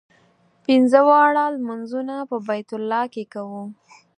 پنځه واړه لمونځونه په بیت الله کې کوو.